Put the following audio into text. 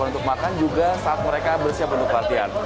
dan juga tak hanya persiapan untuk makan juga saat mereka bersiap untuk latihan